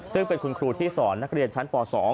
ซึ่งเป็นคุณครูที่สอนนักเรียนชั้นป๒